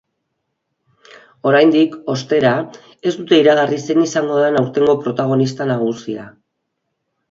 Oraindik, ostera, ez dute iragarri zein izango den aurtengo protagonista nagusia.